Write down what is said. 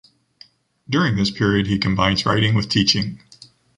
During this period, he combines writing with teaching.